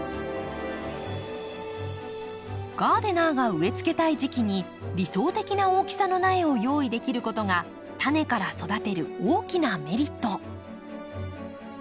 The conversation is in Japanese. ガーデナーが植えつけたい時期に理想的な大きさの苗を用意できることがタネから育てる大きなメリット。